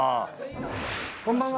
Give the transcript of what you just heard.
こんばんは。